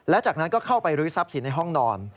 และจากนั้นก็เข้าไปรื้อทรัพย์สินในห้องนอน